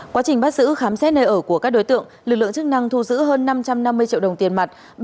quá trình bắt giữ khám xét nơi ở của các đối tượng lực lượng chức năng thu giữ hơn năm trăm năm mươi triệu đồng tiền mặt